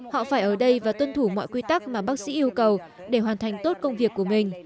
họ phải ở đây và tuân thủ mọi quy tắc mà bác sĩ yêu cầu để hoàn thành tốt công việc của mình